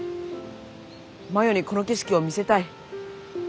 真与にこの景色を見せたい。